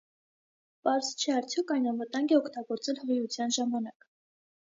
Պարզ չէ, արդյոք այն անվտանգ է օգտագործել հղիության ժամանակ։